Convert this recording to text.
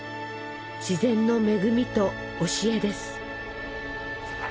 自然の恵みと教えです。